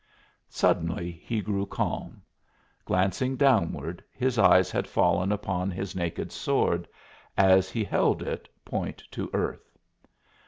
Suddenly he grew calm. Glancing downward, his eyes had fallen upon his naked sword, as he held it, point to earth.